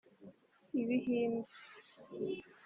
ibihinde